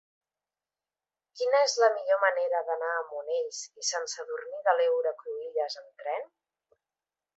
Quina és la millor manera d'anar a Monells i Sant Sadurní de l'Heura Cruïlles amb tren?